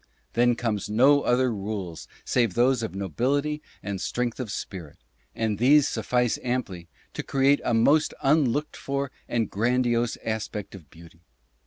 Then come no other rules save those of nobility and strength of spirit; and these suffice amply to create a most unlooked for and grandiose aspect of beauty.